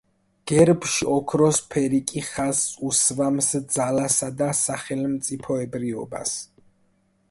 გერბში ოქროს ფერი კი ხაზს უსვამს ძალასა და სახელმწიფოებრიობას.